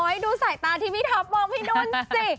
ดูสายตาที่พี่ท็อปมองพี่นุ่นสิ